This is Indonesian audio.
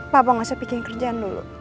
papa nggak usah pikirkan kerjaan dulu